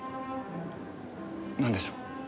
なんでしょう？